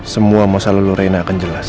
semua masalah leluhur ini akan jelas